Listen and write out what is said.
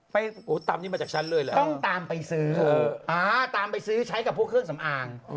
ตามนี้มาจากฉันเลยเหรอต้องตามไปซื้อตามไปซื้อใช้กับพวกเครื่องสำอาง